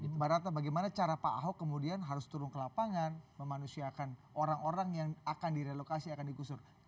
mbak ratna bagaimana cara pak ahok kemudian harus turun ke lapangan memanusiakan orang orang yang akan direlokasi akan digusur